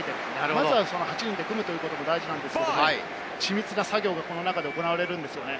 まずは８人で組むというのも大事なんですけれども、緻密な作業が、この中で行われるんですよね。